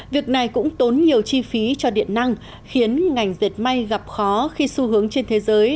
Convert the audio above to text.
việc này cũng tốn nhiều chi phí cho điện năng khiến ngành dệt may gặp khó khi xu hướng trên thế giới